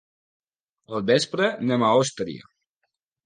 Al vespre anem a Àustria.